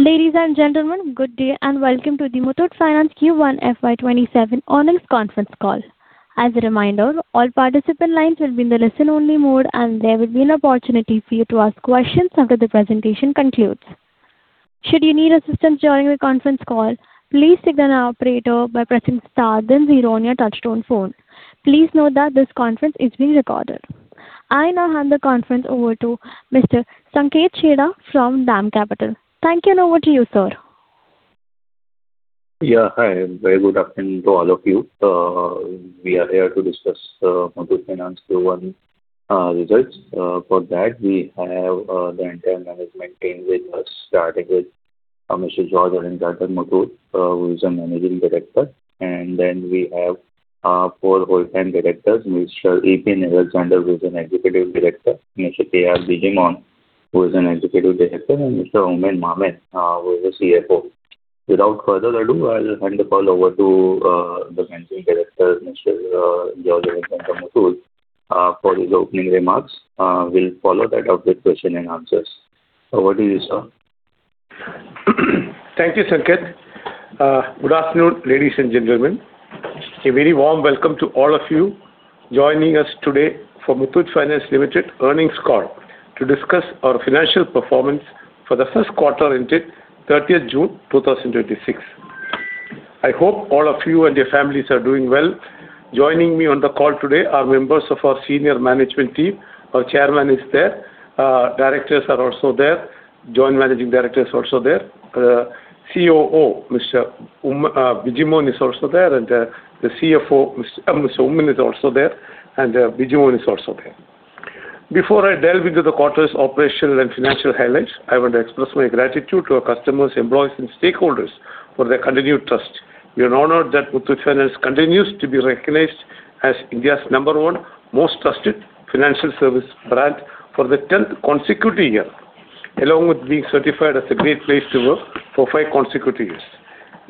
Ladies and gentlemen, good day and welcome to the Muthoot Finance Q1 FY 2027 earnings conference call. As a reminder, all participant lines will be in the listen-only mode and there will be an opportunity for you to ask questions after the presentation concludes. Should you need assistance during the conference call, please signal an operator by pressing star then zero on your touchtone phone. Please note that this conference is being recorded. I now hand the conference over to Mr. Sanket Chheda from DAM Capital. Thank you. Over to you, sir. Hi, very good afternoon to all of you. We are here to discuss Muthoot Finance Q1 results. For that, we have the entire management team with us, starting with Mr. George Alexander Muthoot, who is our Managing Director. Then we have our four whole-time Directors, Mr. Eapen Alexander, who is an Executive Director, Mr. K.R. Bijimon, who is an Executive Director, and Mr. Oommen Mammen, who is the CFO. Without further ado, I will hand the call over to the Managing Director, Mr. George Alexander Muthoot, for his opening remarks. We will follow that up with question and answers. Over to you, sir. Thank you, Sanket. Good afternoon, ladies and gentlemen. A very warm welcome to all of you joining us today for Muthoot Finance Limited earnings call to discuss our financial performance for the first quarter ended June 30th, 2026. I hope all of you and your families are doing well. Joining me on the call today are members of our senior management team. Our Chairman is there, Directors are also there, Joint Managing Director is also there. The COO, Mr. Bijimon, is also there, and the CFO, Mr. Oommen, is also there. Before I delve into the quarter's operational and financial highlights, I want to express my gratitude to our customers, employees, and stakeholders for their continued trust. We are honored that Muthoot Finance continues to be recognized as India's number one most trusted financial service brand for the 10th consecutive year, along with being certified as a great place to work for five consecutive years.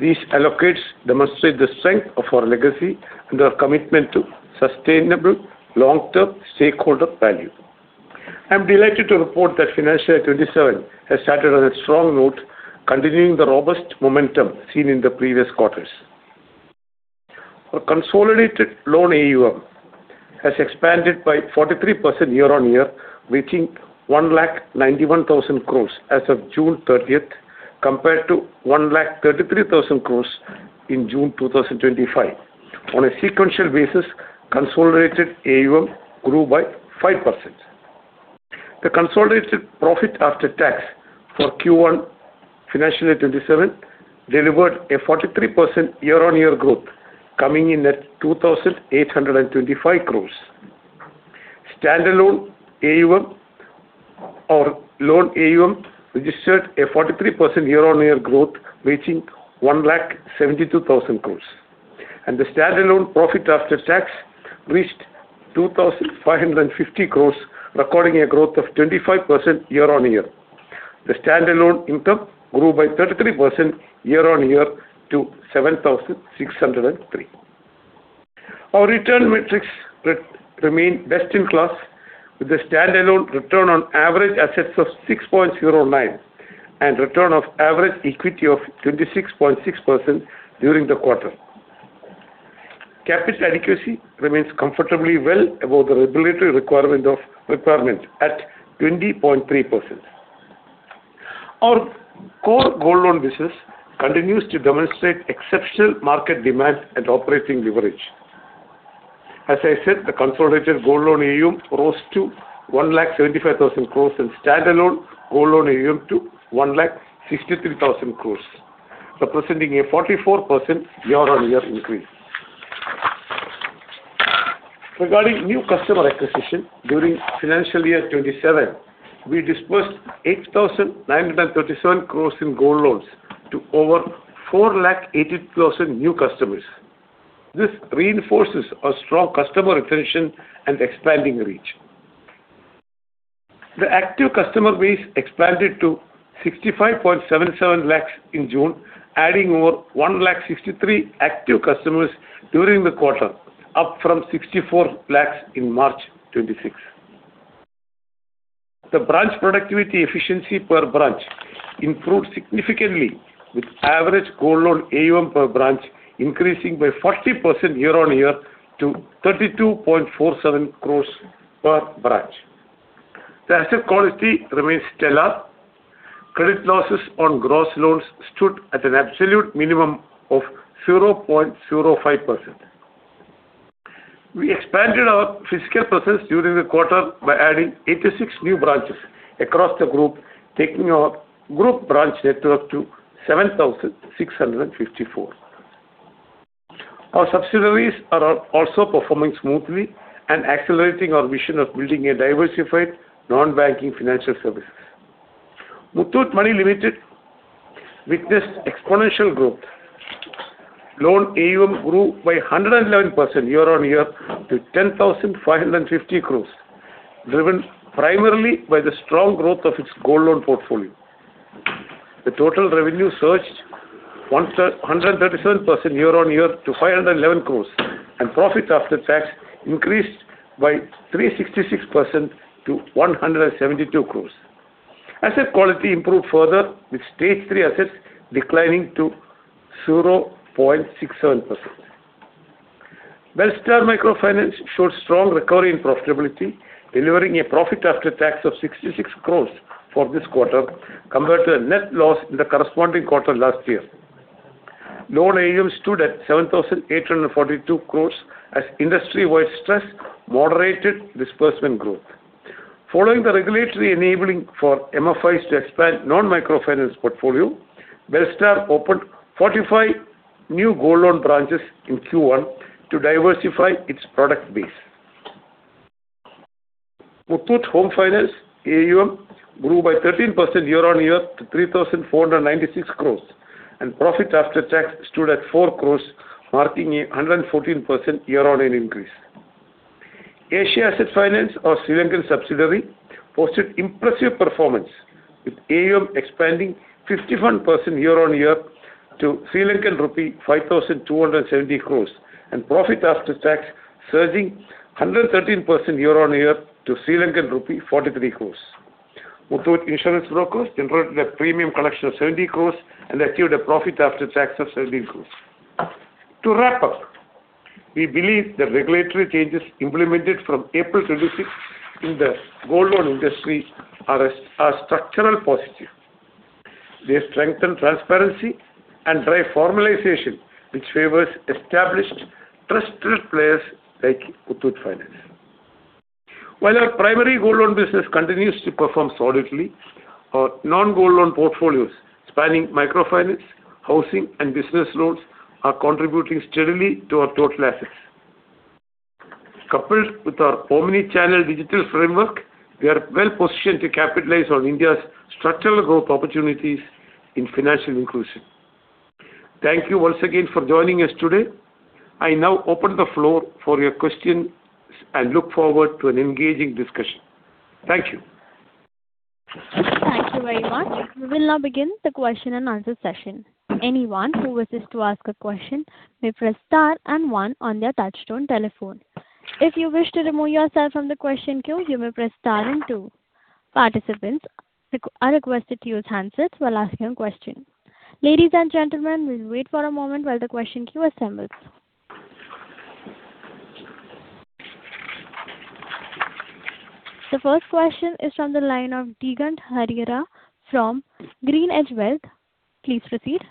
These accolades demonstrate the strength of our legacy and our commitment to sustainable long-term stakeholder value. I am delighted to report that FY 2027 has started on a strong note, continuing the robust momentum seen in the previous quarters. Our consolidated loan AUM has expanded by 43% year-on-year, reaching 191,000 crores as of June 30th, compared to 133,000 crores in June 2025. On a sequential basis, consolidated AUM grew by 5%. The consolidated profit after tax for Q1 FY 2027 delivered a 43% year-on-year growth, coming in at 2,825 crores. Stand-alone AUM or loan AUM registered a 43% year-on-year growth reaching 172,000 crores, and the stand-alone profit after tax reached 2,550 crores, recording a growth of 25% year-on-year. The stand-alone income grew by 33% year-on-year to INR 7,603. Our return metrics remain best in class with the standalone return on average assets of 6.09% and return of average equity of 26.6% during the quarter. Capital adequacy remains comfortably well above the regulatory requirement of procurement at 20.3%. Our core gold loan business continues to demonstrate exceptional market demand and operating leverage. As I said, the consolidated gold loan AUM rose to INR 175,000 crores and standalone gold loan AUM to INR 163,000 crores, representing a 44% year-on-year increase. Regarding new customer acquisition, during FY 2027, we disbursed 8,937 crores in gold loans to over 4,80,000 new customers. This reinforces our strong customer retention and expanding reach. The active customer base expanded to 65.77 lakhs in June, adding over 163,000 active customers during the quarter, up from 64 lakhs in March 2026. The branch productivity efficiency per branch improved significantly, with average gold loan AUM per branch increasing by 40% year-on-year to 32.47 crores per branch. The asset quality remains stellar. Credit losses on gross loans stood at an absolute minimum of 0.05%. We expanded our physical presence during the quarter by adding 86 new branches across the group, taking our group branch network to 7,654. Our subsidiaries are also performing smoothly and accelerating our mission of building a diversified non-banking financial services. Muthoot Money Limited witnessed exponential growth. Loan AUM grew by 111% year-on-year to 10,550 crores, driven primarily by the strong growth of its gold loan portfolio. The total revenue surged 137% year-on-year to 511 crores. Profit after tax increased by 366% to 172 crores. Asset quality improved further, with Stage 3 assets declining to 0.67%. Belstar Microfinance showed strong recovery and profitability, delivering a profit after tax of 66 crores for this quarter compared to a net loss in the corresponding quarter last year. Loan AUM stood at 7,842 crores as industry-wide stress moderated disbursement growth. Following the regulatory enabling for MFIs to expand non-microfinance portfolio, Belstar opened 45 new gold loan branches in Q1 to diversify its product base. Muthoot Home Finance AUM grew by 13% year-on-year to 3,496 crores, and profit after tax stood at 4 crores, marking a 114% year-on-year increase. Asia Asset Finance, our Sri Lankan subsidiary, posted impressive performance, with AUM expanding 51% year-on-year to LKR 5,270 crores and profit after tax surging 113% year-on-year to LKR 43 crores. Muthoot Insurance Brokers generated a premium collection of 70 crores and achieved a profit after tax of 17 crores. To wrap up, we believe the regulatory changes implemented from April 2026 in the gold loan industry are a structural positive. They strengthen transparency and drive formalization, which favors established trusted players like Muthoot Finance. While our primary gold loan business continues to perform solidly, our non-gold loan portfolios spanning microfinance, housing, and business loans are contributing steadily to our total assets. Coupled with our omni-channel digital framework, we are well-positioned to capitalize on India's structural growth opportunities in financial inclusion. Thank you once again for joining us today. I now open the floor for your questions and look forward to an engaging discussion. Thank you. Thank you very much. We will now begin the question and answer session. Anyone who wishes to ask a question may press star and one on their touchtone telephone. If you wish to remove yourself from the question queue, you may press star and two. Participants are requested to use handsets while asking a question. Ladies and gentlemen, we will wait for a moment while the question queue assembles. The first question is from the line of Digant Haria from GreenEdge Wealth. Please proceed.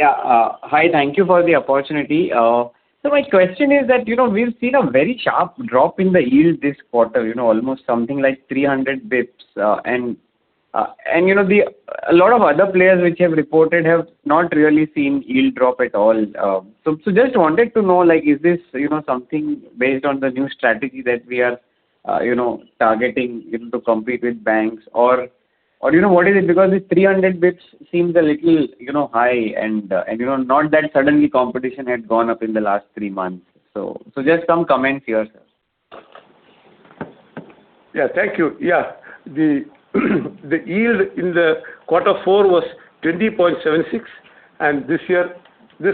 Hi, thank you for the opportunity. My question is that we've seen a very sharp drop in the yield this quarter, almost something like 300 basis points. A lot of other players which have reported have not really seen yield drop at all. Just wanted to know, is this something based on the new strategy that we are targeting to compete with banks or what is it? Because this 300 basis points seems a little high and not that suddenly competition had gone up in the last three months. Just some comments here, sir. Thank you. The yield in the quarter four was 20.76%, and this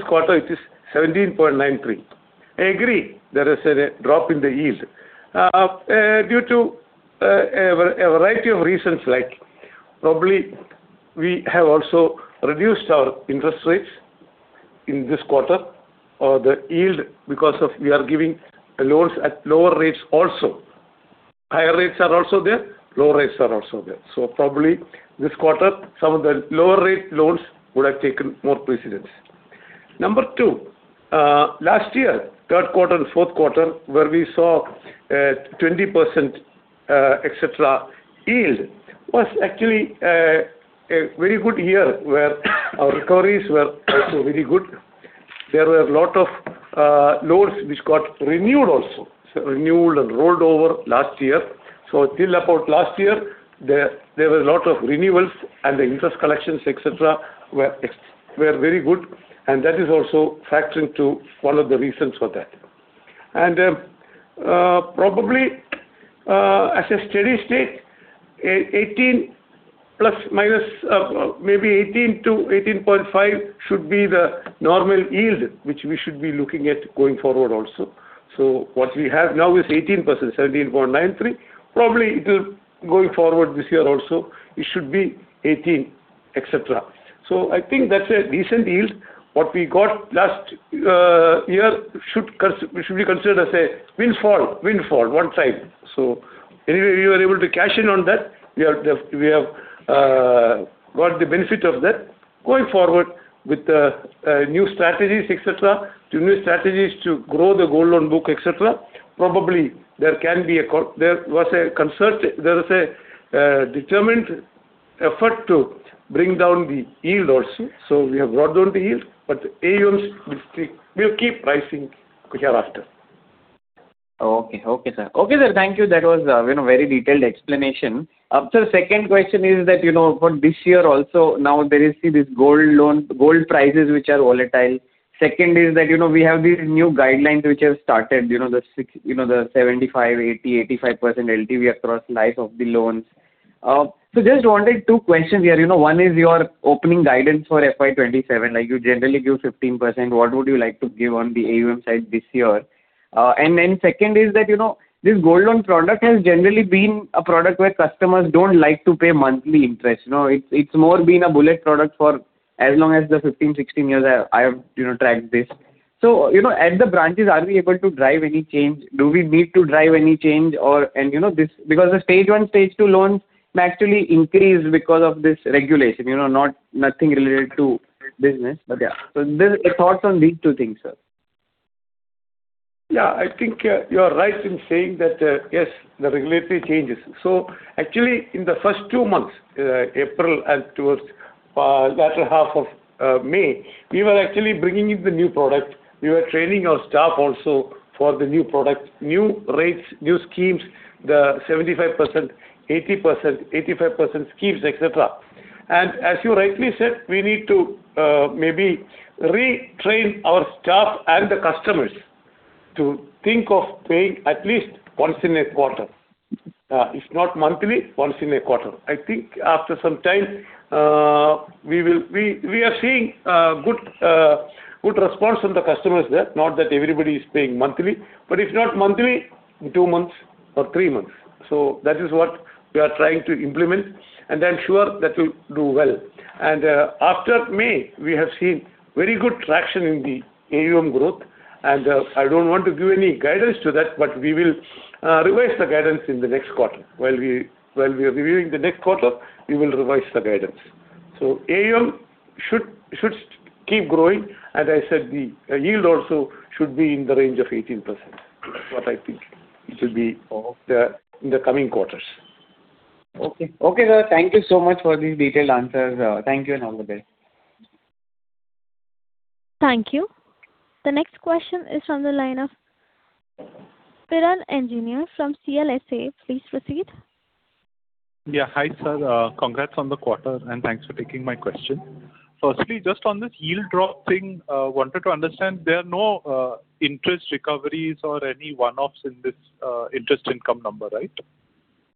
quarter it is 17.93%. I agree, there is a drop in the yield due to a variety of reasons like probably we have also reduced our interest rates in this quarter or the yield because we are giving loans at lower rates also. Higher rates are also there, low rates are also there. Probably this quarter, some of the lower rate loans would have taken more precedence. Number two, last year, third quarter and fourth quarter, where we saw a 20%, et cetera, yield, was actually a very good year where our recoveries were also very good. There were a lot of loans which got renewed also. Renewed and rolled over last year. Till about last year, there were a lot of renewals and the interest collections, et cetera, were very good, and that is also factoring to one of the reasons for that. Probably, as a steady state, maybe 18%-18.5% should be the normal yield, which we should be looking at going forward also. What we have now is 18%, 17.93%. Probably going forward this year also it should be 18%, et cetera. I think that's a decent yield. What we got last year should be considered as a windfall one time. Anyway, we were able to cash in on that. We have got the benefit of that. Going forward with the new strategies, et cetera, to grow the gold loan book, et cetera, probably there was a concerted, determined effort to bring down the yield also. We have brought down the yield, but the AUMs will keep rising hereafter. Okay, sir. Thank you. That was a very detailed explanation. Sir, second question is that, for this year also, now there is this gold prices which are volatile. Second is that, we have these new guidelines which have started, the 75%, 80%, 85% LTV across life of the loans. Just wanted two questions here. One is your opening guidance for FY 2027. You generally give 15%. What would you like to give on the AUM side this year? Second is that this gold loan product has generally been a product where customers don't like to pay monthly interest. It's more been a bullet product for as long as the 15, 16 years I have tracked this. At the branches, are we able to drive any change? Do we need to drive any change? Because the Stage 1, Stage 2 loans naturally increase because of this regulation, nothing related to business. Yeah. Thoughts on these two things, sir. Yeah, I think you are right in saying that, yes, the regulatory changes. Actually, in the first two months, April and towards latter half of May, we were actually bringing in the new product. We were training our staff also for the new product, new rates, new schemes, the 75%, 80%, 85% schemes, et cetera. As you rightly said, we need to maybe retrain our staff and the customers to think of paying at least once in a quarter. If not monthly, once in a quarter. I think after some time, we are seeing good response from the customers there. Not that everybody is paying monthly, but if not monthly, two months or three months. That is what we are trying to implement, and I'm sure that will do well. After May, we have seen very good traction in the AUM growth, and I don't want to give any guidance to that, but we will revise the guidance in the next quarter. While we are reviewing the next quarter, we will revise the guidance. AUM should keep growing, and I said the yield also should be in the range of 18%. That's what I think it should be in the coming quarters. Okay. Okay, sir. Thank you so much for these detailed answers. Thank you, and have a good day. Thank you. The next question is from the line of Piran Engineer from CLSA. Please proceed. Yeah. Hi, sir. Congrats on the quarter, and thanks for taking my question. Firstly, just on this yield drop thing, wanted to understand, there are no interest recoveries or any one-offs in this interest income number, right?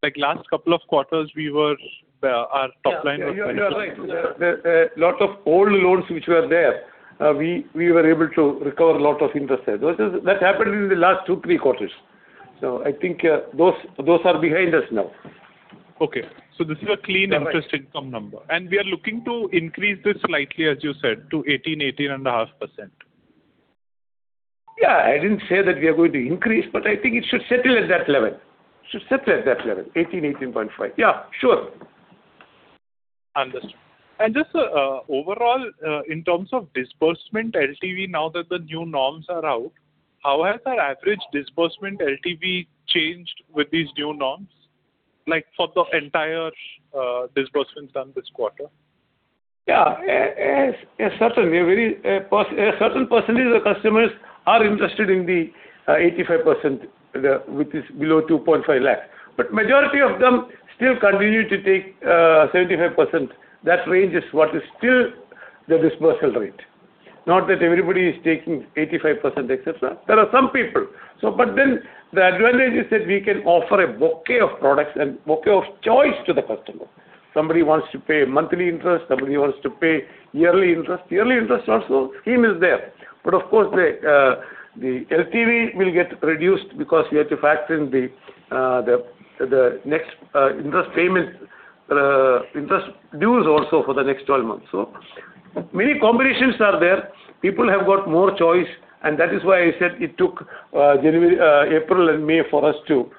Like last couple of quarters, our top line was Yeah, you are right. A lot of old loans which were there, we were able to recover a lot of interest there. That happened in the last two, three quarters. I think those are behind us now. Okay. This is a clean interest income number. Correct. We are looking to increase this slightly, as you said, to 18.5%. Yeah, I didn't say that we are going to increase, but I think it should settle at that level. 18%, 18.5%. Yeah, sure. Understood. Just overall, in terms of disbursement LTV now that the new norms are out, how has our average disbursement LTV changed with these new norms? Like for the entire disbursements done this quarter? Yeah. A certain percentage of customers are interested in the 85% which is below 2.5 lakh. Majority of them still continue to take 75%. That range is what is still the dispersal rate. Not that everybody is taking 85%, et cetera. There are some people. Then the advantage is that we can offer a bouquet of products and bouquet of choice to the customer. Somebody wants to pay monthly interest, somebody wants to pay yearly interest. Yearly interest also scheme is there. Of course, the LTV will get reduced because we have to factor in the next interest payment, interest dues also for the next 12 months. Many combinations are there. People have got more choice, that is why I said it took April and May for us to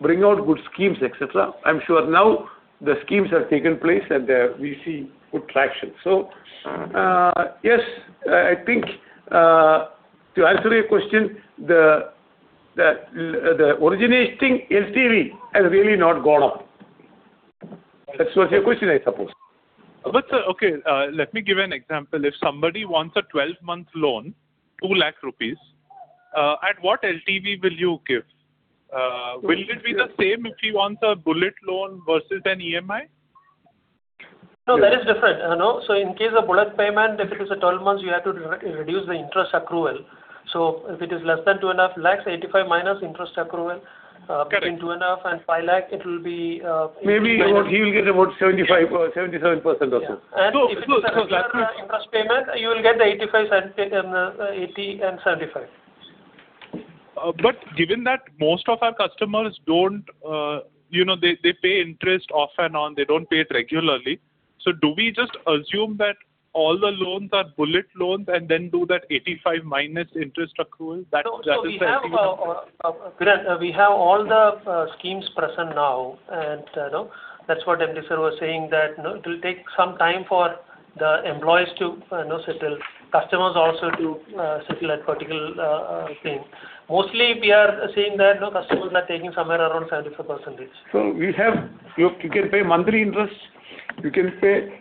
bring out good schemes, et cetera. I'm sure now the schemes have taken place, we see good traction. Yes, I think, to answer your question, the originating LTV has really not gone up. That was your question, I suppose. Sir, okay, let me give an example. If somebody wants a 12-month loan, 2 lakh rupees, at what LTV will you give? Will it be the same if he wants a bullet loan versus an EMI? No, that is different. In case of bullet payment, if it is a 12 months, you have to reduce the interest accrual. If it is less than 2.5 lakh, 85% minus interest accrual. Correct. Between 2.5 lakh and 5 lakh, it will be. Maybe he will get about 75% or 77% also. If it is a regular interest payment, you will get the 80% and 75%. Given that most of our customers They pay interest off and on. They don't pay it regularly. Do we just assume that all the loans are bullet loans and then do that 85% minus interest accrual? We have all the schemes present now, and that's what MD sir was saying, that it will take some time for the employees to settle, customers also to settle at particular thing. Mostly, we are seeing that customers are taking somewhere around 75% rates. You can pay monthly interest. You can pay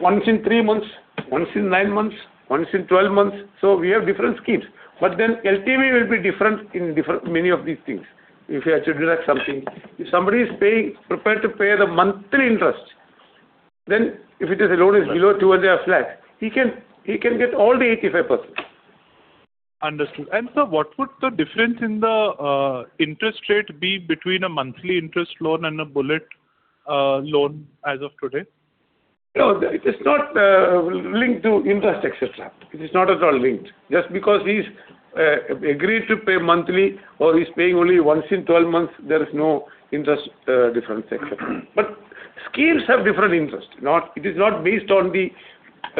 once in three months, once in nine months, once in 12 months. We have different schemes. LTV will be different in many of these things. If you actually derive something. If somebody is prepared to pay the monthly interest, then if it is a loan is below 2.5 lakh, he can get all the 85%. Understood. Sir, what would the difference in the interest rate be between a monthly interest loan and a bullet loan as of today? No, it is not linked to interest, et cetera. It is not at all linked. Just because he's agreed to pay monthly or he's paying only once in 12 months, there is no interest difference, et cetera. Schemes have different interest. It is not based on the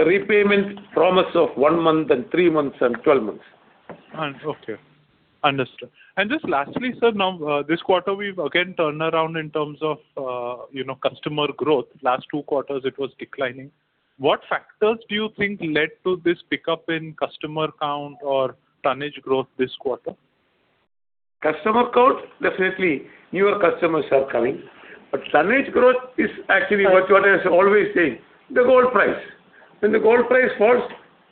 repayment promise of one month and three months and 12 months. Okay. Understood. Just lastly, sir, now, this quarter we've again turned around in terms of customer growth. Last two quarters it was declining. What factors do you think led to this pickup in customer count or tonnage growth this quarter? Customer count, definitely newer customers are coming. Tonnage growth is actually what I always say, the gold price. When the gold price falls,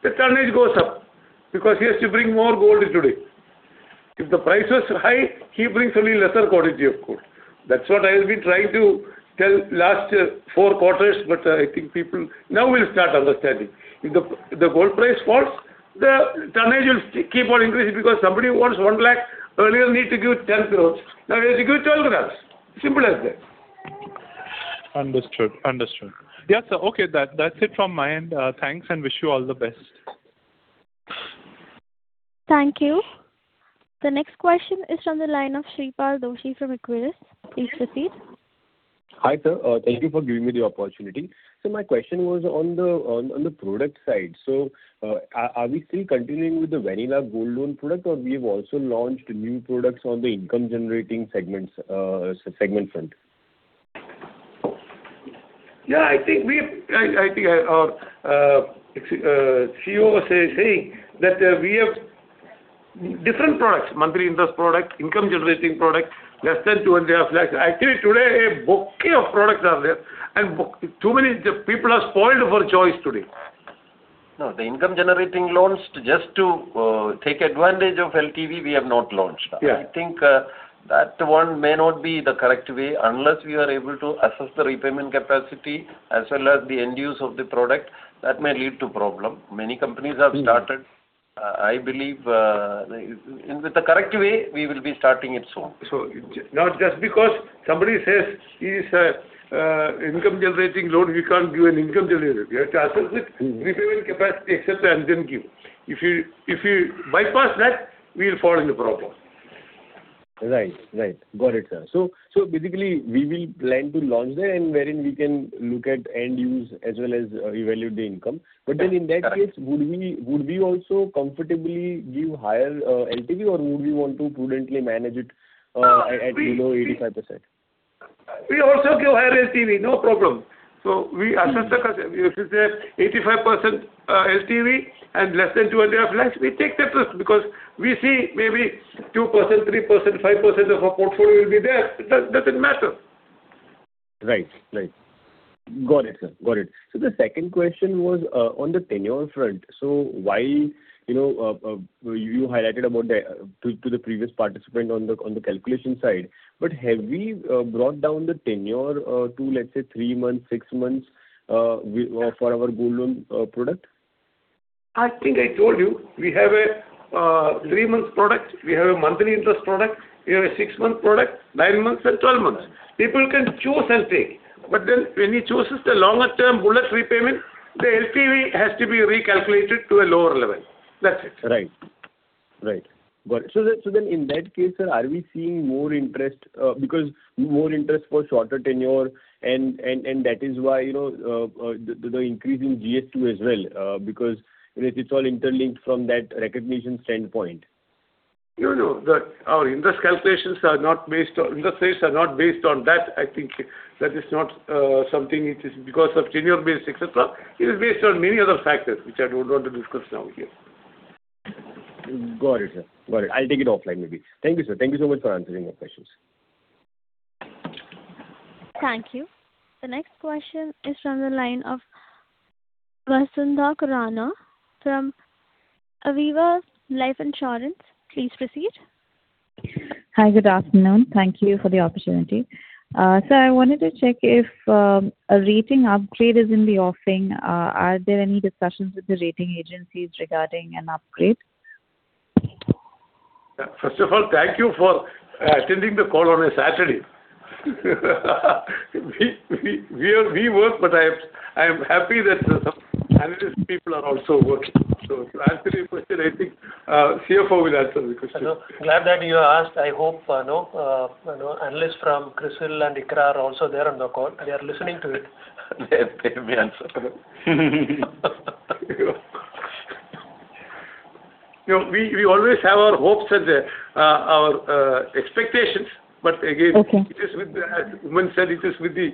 the tonnage goes up because he has to bring more gold today. If the price was high, he brings only lesser quantity of gold. That's what I have been trying to tell last four quarters, I think people now will start understanding. If the gold price falls, the tonnage will keep on increasing because somebody who wants 1 lakh earlier need to give 10 g. Now he has to give 12 g. Simple as that. Understood. Yes, sir. Okay. That's it from my end. Thanks, and wish you all the best. Thank you. The next question is from the line of Shreepal Doshi from Equirus. Please proceed. Hi, sir. Thank you for giving me the opportunity. Sir, my question was on the product side. Are we still continuing with the vanilla gold loan product, or we've also launched new products on the income generating segment front? Yeah, I think our COO was saying that we have different products, monthly interest product, income generating product, less than 200,000. Actually, today a bouquet of products are there and people are spoiled for choice today. No, the income generating loans, just to take advantage of LTV, we have not launched. Yeah. I think that one may not be the correct way. Unless we are able to assess the repayment capacity as well as the end use of the product, that may lead to problem. Many companies have started. I believe with the correct way, we will be starting it soon. Not just because somebody says he is a income generating loan, we can't give an income generator. We have to assess it, repayment capacity, et cetera, and then give. If you bypass that, we'll fall into problem. Right. Got it, sir. Basically, we will plan to launch there and wherein we can look at end use as well as evaluate the income. In that case, would we also comfortably give higher LTV or would we want to prudently manage it at below 85%? We also give higher LTV, no problem. We assess the customer. If it is at 85% LTV and less than 200,000, we take that risk because we see maybe 2%, 3%, 5% of our portfolio will be there. It doesn't matter. Right. Got it, sir. The second question was on the tenure front. While you highlighted about the, to the previous participant on the calculation side. Have we brought down the tenure to, let's say, three months, six months for our gold loan product? I think I told you, we have a three months product, we have a monthly interest product, we have a six month product, nine months and 12 months. People can choose and take. When he chooses the longer term bullet repayment, the LTV has to be recalculated to a lower level. That's it. Right. Got it. In that case, sir, are we seeing more interest for shorter tenure, and that is why the increase in GS2 as well? Because it's all interlinked from that recognition standpoint. No. Our interest rates are not based on that. I think that is not something which is because of tenure based, et cetera. It is based on many other factors, which I don't want to discuss now here. Got it, sir. I'll take it offline maybe. Thank you, sir. Thank you so much for answering our questions. Thank you. The next question is from the line of Vasudha Khurana from Aviva Life Insurance. Please proceed. Hi. Good afternoon. Thank you for the opportunity. Sir, I wanted to check if a rating upgrade is in the offing. Are there any discussions with the rating agencies regarding an upgrade? First of all, thank you for attending the call on a Saturday. We work, but I am happy that some analyst people are also working. To answer your question, I think CFO will answer the question. Hello. Glad that you asked. I hope analysts from CRISIL and ICRA are also there on the call, and they are listening to it. They may answer. We always have our hopes and our expectations. Okay as Oommen said, it is with the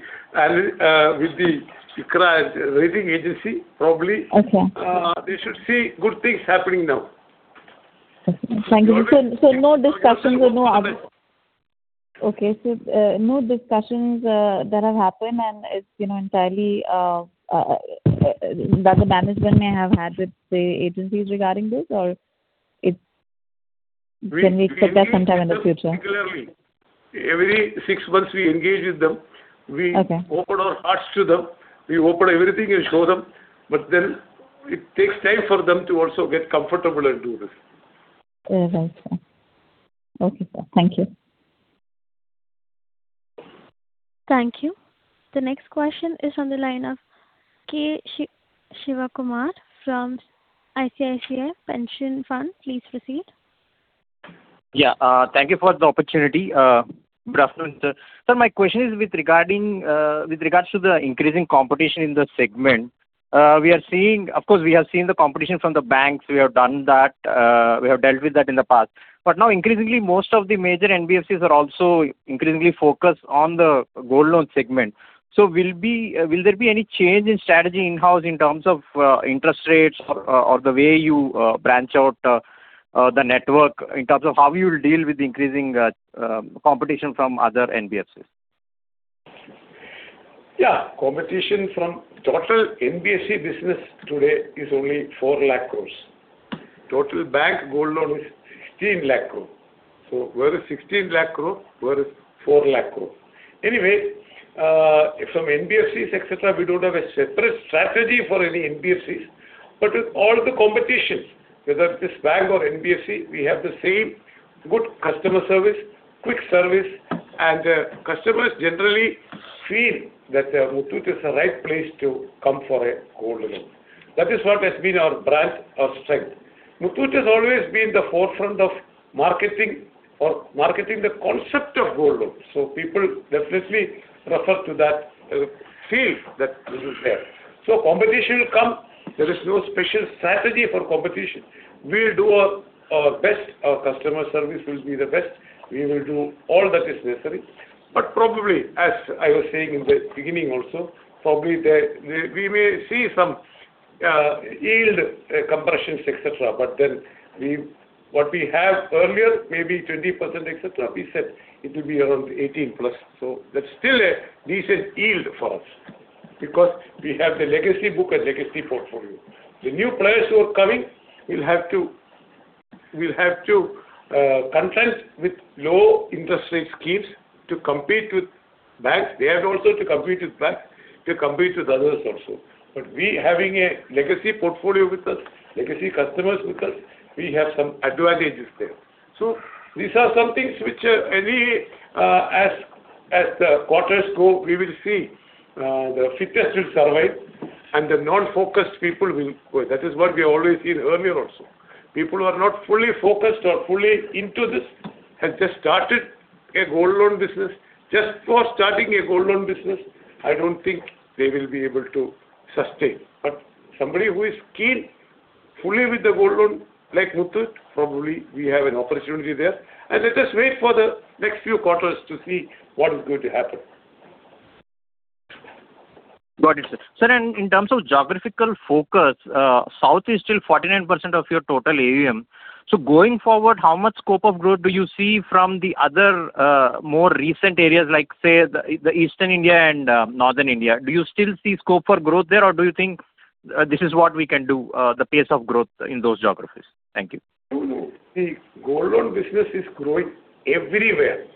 ICRA rating agency, probably. Okay. They should see good things happening now. Okay. Thank you. No discussions or no discussions that have happened, and it's entirely that the management may have had with the agencies regarding this? Can we expect that sometime in the future? We engage with them regularly. Every six months we engage with them. Okay. We open our hearts to them. We open everything and show them. It takes time for them to also get comfortable and do this. Right, sir. Okay, sir. Thank you. Thank you. The next question is on the line of K. Sivakumar from ICICI Pension Fund. Please proceed. Thank you for the opportunity. Good afternoon, sir. Sir, my question is with regards to the increasing competition in the segment. Of course, we have seen the competition from the banks. We have dealt with that in the past. Now, increasingly, most of the major NBFCs are also increasingly focused on the gold loan segment. Will there be any change in strategy in-house in terms of interest rates or the way you branch out the network, in terms of how you will deal with the increasing competition from other NBFCs? Competition from total NBFC business today is only 4 lakh crores. Total bank gold loan is 16 lakh crore. Where is 16 lakh crore, where is 4 lakh crore? Anyway, from NBFCs, et cetera, we don't have a separate strategy for any NBFCs. With all the competition, whether it is bank or NBFC, we have the same good customer service, quick service, and the customers generally feel that Muthoot is the right place to come for a gold loan. That is what has been our strength. Muthoot has always been the forefront of marketing the concept of gold loans. People definitely refer to that field that this is there. Competition will come. There is no special strategy for competition. We'll do our best. Our customer service will be the best. We will do all that is necessary. Probably, as I was saying in the beginning also, probably, we may see some yield compressions, et cetera. What we have earlier, maybe 20%, et cetera, we said it will be around 18+. That's still a decent yield for us because we have the legacy book and legacy portfolio. The new players who are coming will have to contend with low interest rate schemes to compete with banks. They have also to compete with banks, to compete with others also. We, having a legacy portfolio with us, legacy customers with us, we have some advantages there. These are some things which, as the quarters go, we will see. The fittest will survive, and the non-focused people will go. That is what we have always seen earlier also. People who are not fully focused or fully into this, have just started a gold loan business just for starting a gold loan business, I don't think they will be able to sustain. Somebody who is keen, fully with the gold loan, like Muthoot, probably we have an opportunity there. Let us wait for the next few quarters to see what is going to happen. Got it, sir. Sir, in terms of geographical focus, South is still 49% of your total AUM. Going forward, how much scope of growth do you see from the other, more recent areas, like, say, the Eastern India and Northern India? Do you still see scope for growth there, or do you think this is what we can do, the pace of growth in those geographies? Thank you. No. The gold loan business is growing everywhere.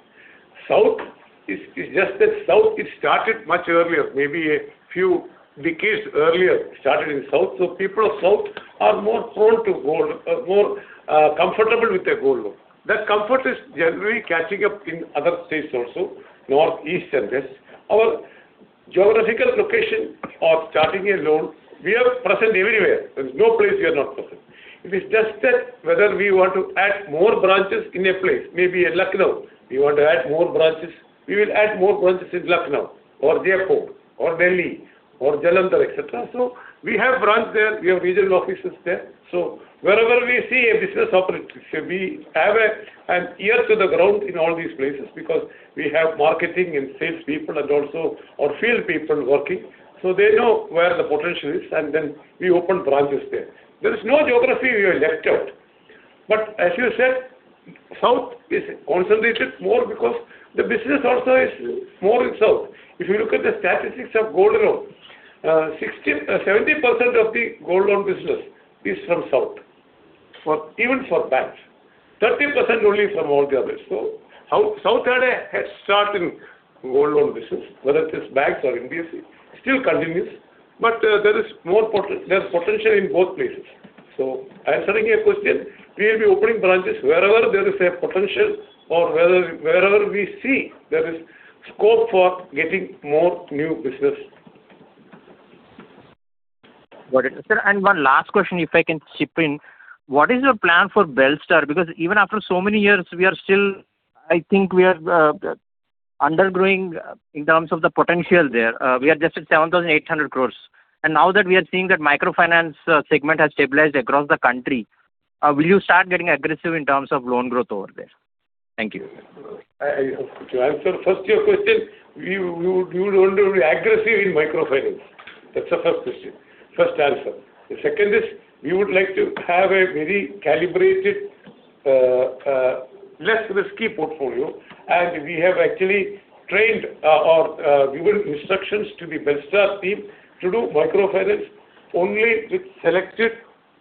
It's just that South, it started much earlier, maybe a few decades earlier, started in South. People of South are more prone to gold, are more comfortable with a gold loan. That comfort is generally catching up in other states also, North, East and West. Our geographical location of starting a loan, we are present everywhere. There's no place we are not present. It is just that whether we want to add more branches in a place, maybe in Lucknow, we want to add more branches. We will add more branches in Lucknow or Jaipur or Delhi or Jalandhar, et cetera. We have branch there. We have regional offices there. Wherever we see a business opportunity, we have an ear to the ground in all these places because we have marketing and sales people and also our field people working. They know where the potential is, and then we open branches there. There is no geography we have left out. But as you said, South is concentrated more because the business also is more in South. If you look at the statistics of gold loan, 70% of the gold loan business is from South, even for banks. 30% only from all the others. South had a head start in gold loan business, whether it is banks or NBFCs. Still continues, but there is potential in both places. Answering your question, we will be opening branches wherever there is a potential or wherever we see there is scope for getting more new business. Got it. Sir, one last question, if I can chip in. What is your plan for Belstar? Because even after so many years, I think we are undergrowing in terms of the potential there. We are just at 7,800 crores. Now that we are seeing that microfinance segment has stabilized across the country, will you start getting aggressive in terms of loan growth over there? Thank you. I answer first your question. We would only be aggressive in microfinance. That's the first answer. The second is, we would like to have a very calibrated, less risky portfolio, and we have actually trained, or given instructions to the Belstar team to do microfinance Only with selected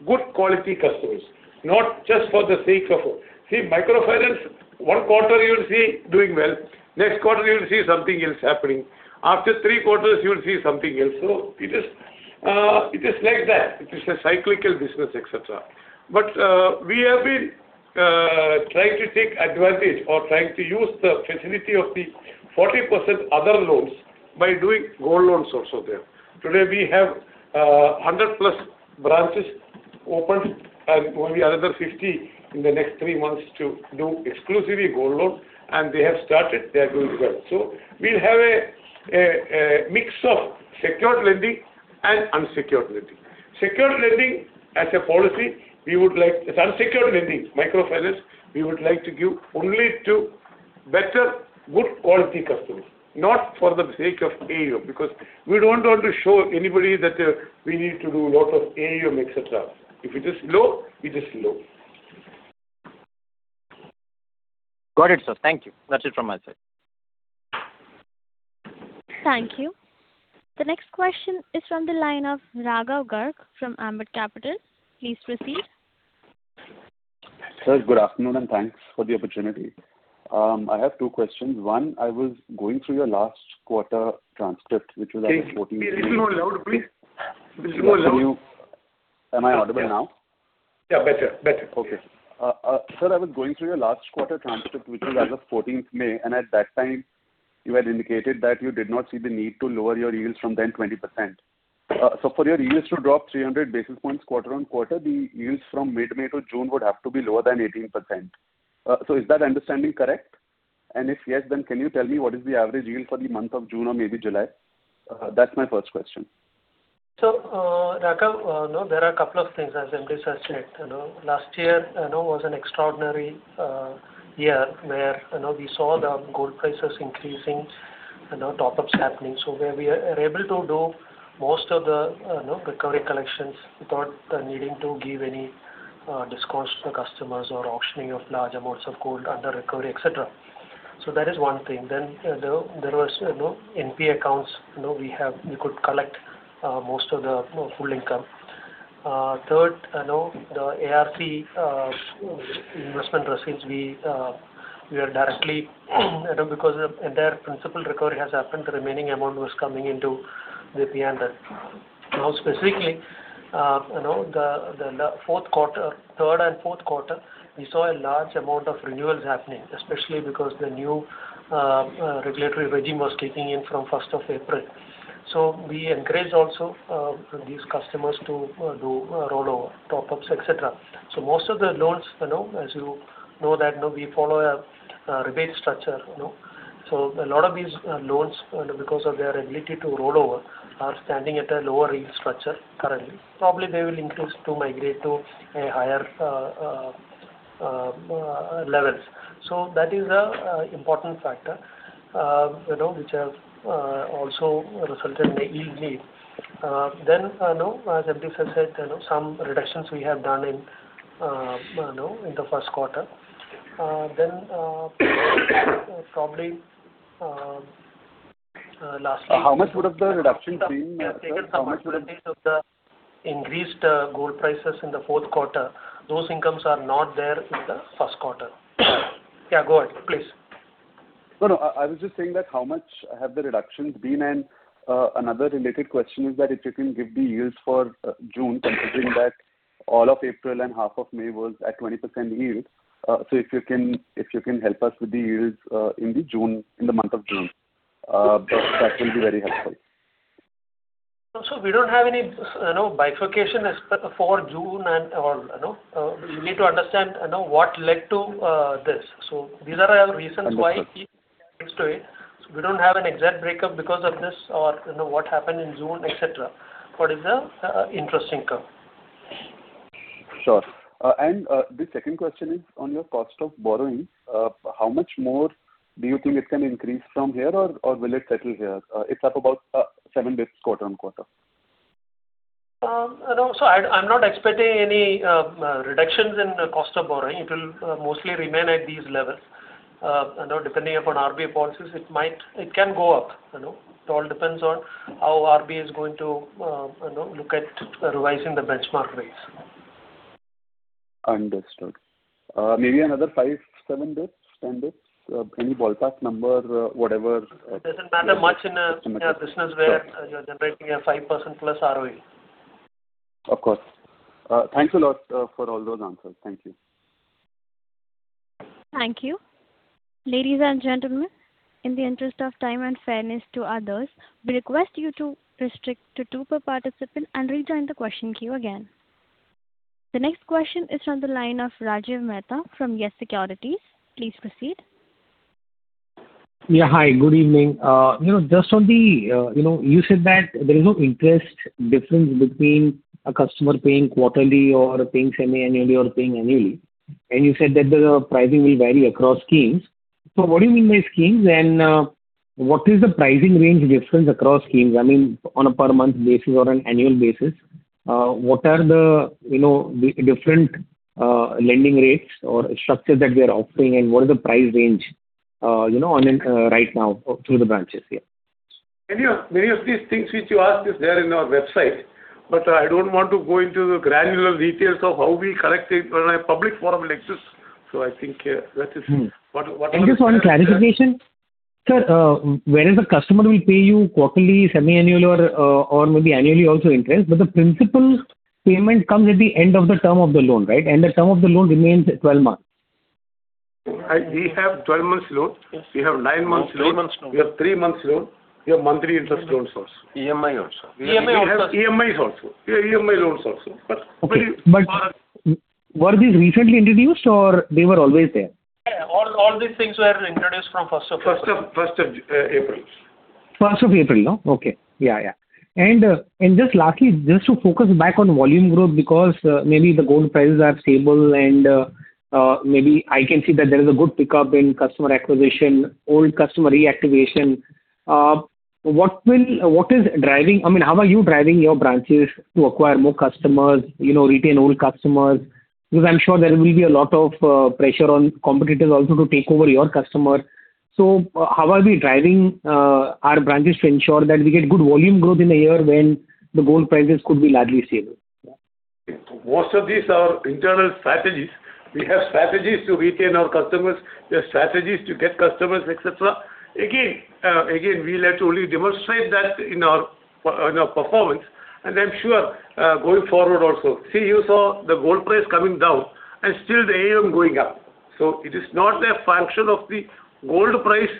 good quality customers, not just for the sake of it. See, microfinance, one quarter you will see doing well. Next quarter, you will see something else happening. After three quarters, you will see something else. It is like that. It is a cyclical business, et cetera. But we have been trying to take advantage or trying to use the facility of the 40% other loans by doing gold loans also there. Today, we have 100+ branches opened and only another 50 in the next three months to do exclusively gold loan. They have started, they are doing well. We will have a mix of secured lending and unsecured lending. Secured lending, as a policy, we would like Unsecured lending, microfinance, we would like to give only to better, good quality customers, not for the sake of AUM, because we don't want to show anybody that we need to do lot of AUM, et cetera. If it is low, it is low. Got it, sir. Thank you. That's it from my side. Thank you. The next question is from the line of Raghav Garg from Ambit Capital. Please proceed. Sir, good afternoon and thanks for the opportunity. I have two questions. One, I was going through your last quarter transcript, which was as of May 14th. Please a little more louder, please. Little more louder. Am I audible now? Yeah, better. Okay. Sir, I was going through your last quarter transcript, which was as of May 14th. At that time you had indicated that you did not see the need to lower your yields from then 20%. For your yields to drop 300 basis points quarter-on-quarter, the yields from mid-May to June would have to be lower than 18%. Is that understanding correct? If yes, can you tell me what is the average yield for the month of June or maybe July? That's my first question. Raghav, there are a couple of things, as MD sir said. Last year was an extraordinary year where we saw the gold prices increasing, top-ups happening. Where we are able to do most of the recovery collections without needing to give any discounts to the customers or auctioning of large amounts of gold under recovery, et cetera. That is one thing. There was NPA accounts we could collect most of the full income. Third, the ARP investment receipts, because their principal recovery has happened, the remaining amount was coming into the P&L. Specifically, the third and fourth quarter, we saw a large amount of renewals happening, especially because the new regulatory regime was kicking in from April 1st. We encouraged also these customers to do rollover top-ups, et cetera. Most of the loans, as you know that we follow a rebate structure. A lot of these loans, because of their ability to roll over, are standing at a lower yield structure currently. Probably they will increase to migrate to a higher levels. That is a important factor which have also resulted in a yield lead. As MD sir said, some reductions we have done in the first quarter. Probably, lastly- How much would have the reduction been? We have taken some of the reduced of the increased gold prices in the fourth quarter. Those incomes are not there in the first quarter. Yeah, go ahead, please. I was just saying that how much have the reductions been? Another related question is that if you can give the yields for June, considering that all of April and half of May was at 20% yield. If you can help us with the yields in the month of June that will be very helpful. We don't have any bifurcation as for June and all. You need to understand what led to this. These are all reasons why it leads to it. We don't have an exact breakup because of this or what happened in June, et cetera. What is the interest income? Sure. The second question is on your cost of borrowing. How much more do you think it can increase from here, or will it settle here? It's up about seven basis quarter-on-quarter. I'm not expecting any reductions in cost of borrowing. It will mostly remain at these levels. Depending upon RBI policies, it can go up. It all depends on how RBI is going to look at revising the benchmark rates. Understood. Maybe another 5 basis points, 7 basis points, 10 basis points, any ballpark number, whatever. It doesn't matter much in a business where you're generating a 5%+ ROE. Of course. Thanks a lot for all those answers. Thank you. Thank you. Ladies and gentlemen, in the interest of time and fairness to others, we request you to restrict to two per participant and rejoin the question queue again. The next question is from the line of Rajiv Mehta from YES Securities. Please proceed. Hi. Good evening. You said that there is no interest difference between a customer paying quarterly or paying semiannually or paying annually. You said that the pricing will vary across schemes. What do you mean by schemes? What is the pricing range difference across schemes? I mean, on a per month basis or an annual basis. What are the different lending rates or structures that we are offering and what is the price range? Right now through the branches. Many of these things which you asked is there in our website, I don't want to go into the granular details of how we collect it when a public forum will exist. I think that is what- Just one clarification. Sir, whereas the customer will pay you quarterly, semi-annual or maybe annually also interest, the principal payment comes at the end of the term of the loan, right? The term of the loan remains 12 months. We have 12 months loan. Yes. We have nine months loan. Nine months loan. We have three months loan. We have monthly interest loans also. EMI also. EMI also. We have EMIs also. Yeah, EMI loans also. Were these recently introduced or they were always there? All these things were introduced from April 1st. April 1st. April 1st. Okay. Yeah. Just lastly, just to focus back on volume growth because maybe the gold prices are stable and maybe I can see that there is a good pickup in customer acquisition, old customer reactivation. How are you driving your branches to acquire more customers, retain old customers? I'm sure there will be a lot of pressure on competitors also to take over your customer. How are we driving our branches to ensure that we get good volume growth in a year when the gold prices could be largely stable? Most of these are internal strategies. We have strategies to retain our customers, we have strategies to get customers, et cetera. Again, we'll have to only demonstrate that in our performance, and I'm sure going forward also. See, you saw the gold price coming down and still the AUM going up. It is not a function of the gold price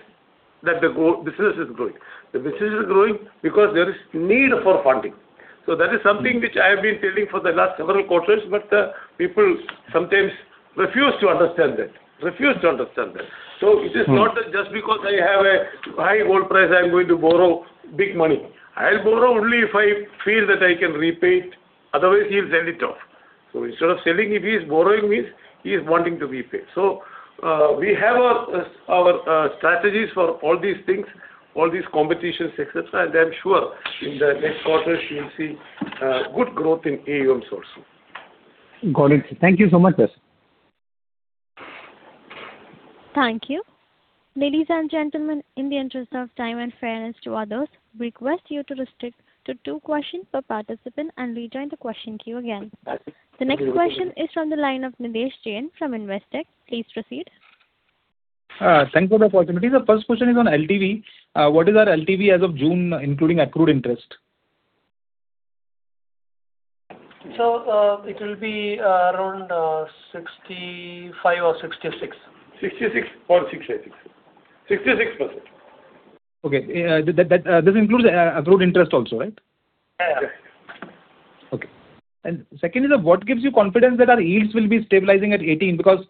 that the business is growing. The business is growing because there is need for funding. That is something which I have been telling for the last several quarters, but people sometimes refuse to understand that. It is not that just because I have a high gold price, I'm going to borrow big money. I'll borrow only if I feel that I can repay it. Otherwise, he'll sell it off. Instead of selling, if he's borrowing means he is wanting to repay. We have our strategies for all these things, all these competitions, et cetera, and I'm sure in the next quarters you'll see good growth in AUMs also. Got it. Thank you so much. Thank you. Ladies and gentlemen, in the interest of time and fairness to others, we request you to restrict to two questions per participant and rejoin the question queue again. The next question is from the line of Nidhesh Jain from Investec. Please proceed. Thanks for the opportunity. Sir, first question is on LTV. What is our LTV as of June, including accrued interest? Sir, it will be around 65% or 66%. 66.68%, 66%. Okay. This includes accrued interest also, right? Yes. Okay. Second is, what gives you confidence that our yields will be stabilizing at 18%? Because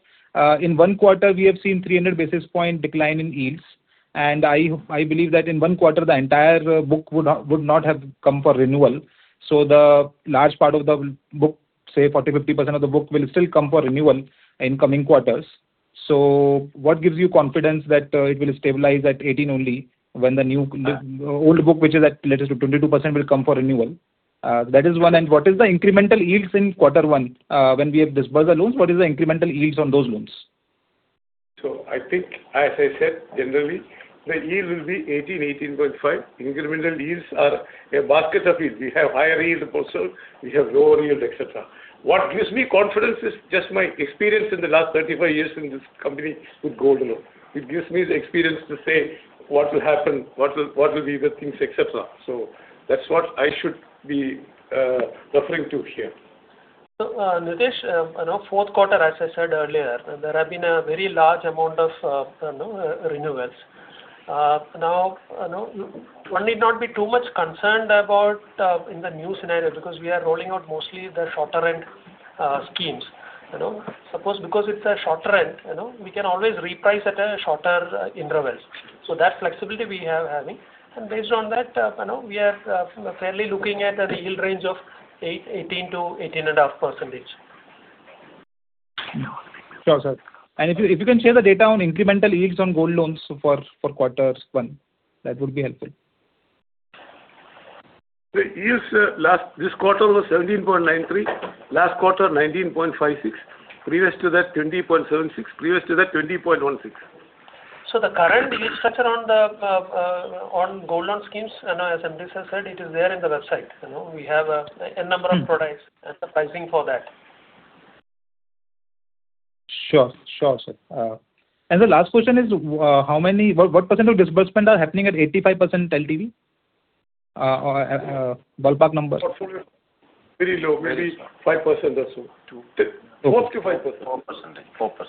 in one quarter we have seen 300 basis point decline in yields, and I believe that in one quarter the entire book would not have come for renewal. The large part of the book, say 40%, 50% of the book will still come for renewal in coming quarters. What gives you confidence that it will stabilize at 18% only when the old book, which is at, let us say, 22%, will come for renewal? That is one. What is the incremental yields in quarter one? When we have disbursed the loans, what is the incremental yields on those loans? I think, as I said, generally, the yield will be 18%, 18.5%. Incremental yields are a basket of yields. We have higher yields also, we have lower yields, et cetera. What gives me confidence is just my experience in the last 35 years in this company with gold loan. It gives me the experience to say what will happen, what will be the things, et cetera. That's what I should be referring to here. Nidhesh, fourth quarter, as I said earlier, there have been a very large amount of renewals. One need not be too much concerned about in the new scenario because we are rolling out mostly the shorter-end schemes. Because it's a shorter end, we can always reprice at shorter intervals. That flexibility we are having, and based on that, we are fairly looking at a yield range of 18%-18.5%. Sure, sir. If you can share the data on incremental yields on gold loans for quarters one, that would be helpful. The yields this quarter was 17.93%, last quarter 19.56%, previous to that 20.76%, previous to that 20.16%. The current yield structure on gold loan schemes, as MD sir said, it is there in the website. We have a number of products and the pricing for that. Sure, sir. The last question is, what percentage of disbursements are happening at 85% LTV? Ballpark numbers. Very low. Maybe 5% or so. 4%-5%. 4%.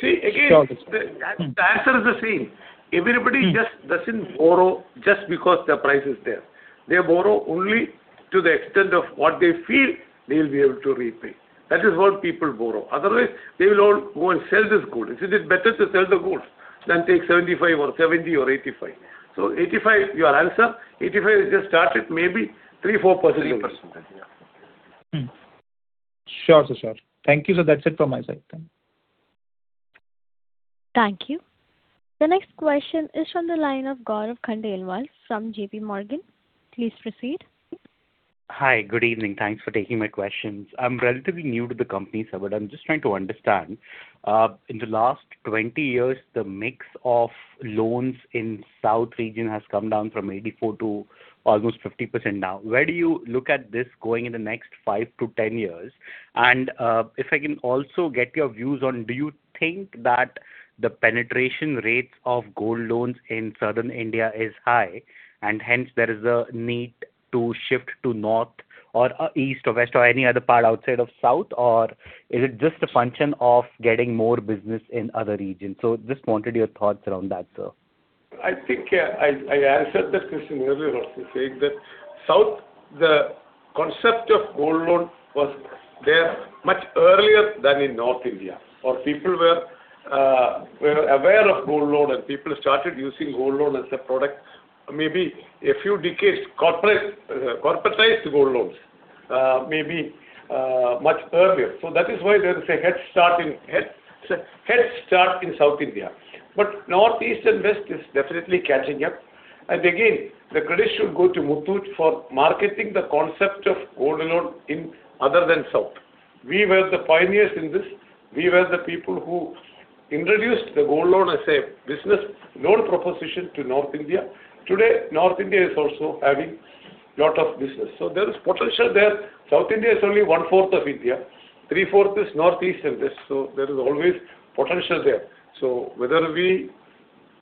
See, again, the answer is the same. Everybody just doesn't borrow just because the price is there. They borrow only to the extent of what they feel they'll be able to repay. That is what people borrow. Otherwise, they will all go and sell this gold. Isn't it better to sell the gold than take 75% or 70% or 85%? 85%, your answer, 85% is just started maybe 3%-4%. 3%, yeah. Sure, sir. Thank you. That's it from my side. Thank you. Thank you. The next question is from the line of Gaurav Khandelwal from JPMorgan. Please proceed. Hi, good evening. Thanks for taking my questions. I'm relatively new to the company, sir, I'm just trying to understand. In the last 20 years, the mix of loans in South region has come down from 84% to almost 50% now. Where do you look at this going in the next 5-10 years? If I can also get your views on, do you think that the penetration rates of gold loans in Southern India is high, and hence there is a need to shift to North or East or West or any other part outside of South? Is it just a function of getting more business in other regions? Just wanted your thoughts around that, sir. I think I answered that question earlier also saying that South, the concept of gold loan was there much earlier than in North India, or people were aware of gold loan and people started using gold loan as a product, maybe a few decades, corporatized gold loans, maybe much earlier. That is why there is a head start in South India. North, East and West is definitely catching up. Again, the credit should go to Muthoot for marketing the concept of gold loan in other than South. We were the pioneers in this. We were the people who introduced the gold loan as a business loan proposition to North India. Today, North India is also having lot of business. There is potential there. South India is only one-fourth of India. Three-fourth is North, East and West. There is always potential there. Whether we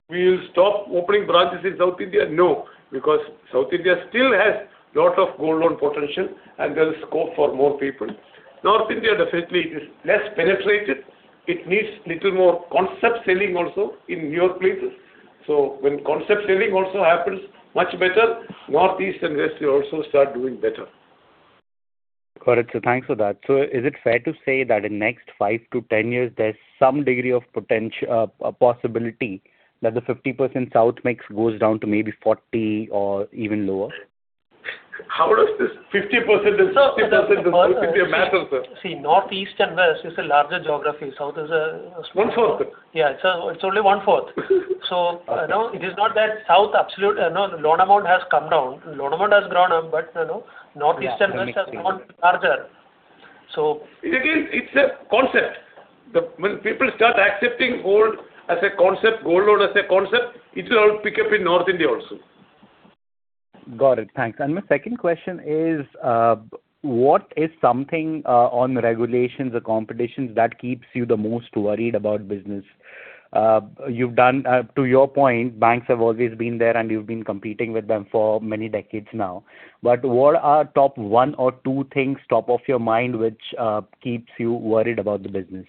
will stop opening branches in South India? No, because South India still has lot of gold loan potential, and there is scope for more people. North India definitely is less penetrated. It needs little more concept selling also in newer places. When concept selling also happens much better, North, East and West will also start doing better. Got it. Thanks for that. Is it fair to say that in next 5 -10 years, there's some degree of possibility that the 50% South mix goes down to maybe 40% or even lower? How does this 50% and 60% of North India matter, sir? North, East and West is a larger geography. South is. One-fourth. It's only one-fourth. It is not that South absolute loan amount has come down. Loan amount has grown up, but North, East and West has grown larger. It's a concept. When people start accepting gold as a concept, gold loan as a concept, it will all pick up in North India also. Got it. Thanks. My second question is, what is something on regulations or competitions that keeps you the most worried about business? To your point, banks have always been there, and you've been competing with them for many decades now. What are top one or two things top of your mind, which keeps you worried about the business?